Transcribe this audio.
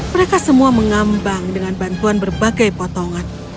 mereka semua mengambang dengan bantuan berbagai potongan